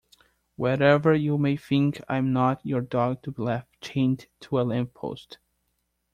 Whatever you may think I'm not your dog to be left chained to a lamppost.